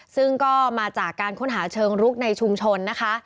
ซึ่งก็มาจากการค้นหาเชิงรุกในชุมชนนะคะ